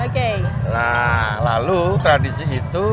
lalu awareness terlarang karena mengganggu sistem penerbangan kita kemudian juga